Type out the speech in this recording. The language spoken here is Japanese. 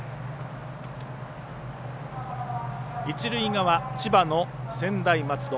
一塁側、千葉の専大松戸。